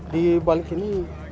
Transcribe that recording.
di balik ini